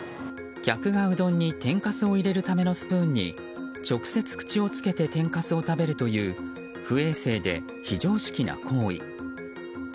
客がうどんに天かすを入れるためのスプーンに直接、口をつけて天かすを食べるという不衛生で非常識な行為。